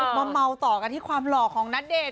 มาเมาต่อกันที่ความหล่อของณเดชน